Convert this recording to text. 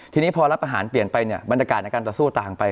ทีนี้พอรับอาหารเปลี่ยนไปเนี่ยบรรยากาศในการต่อสู้ต่างไป